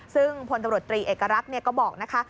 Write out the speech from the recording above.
ซึ่งพลตำรวจ๓เอกรัฐก็บอกนะคะ